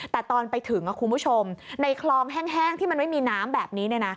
แต่ตอนไปถึงคุณผู้ชมในคลองแห้งที่มันไม่มีน้ำแบบนี้